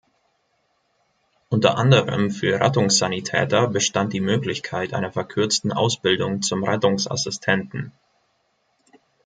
Unter anderem für Rettungssanitäter bestand die Möglichkeit einer verkürzten Ausbildung zum Rettungsassistenten.